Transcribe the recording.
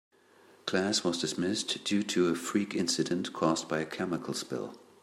Class was dismissed due to a freak incident caused by a chemical spill.